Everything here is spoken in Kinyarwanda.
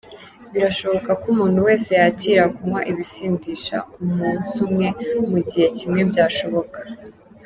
Birashoboka ko umuntu wese yakira kunywa ibisindisha, umunsi umwe, mu gihe kimwe byashoboka.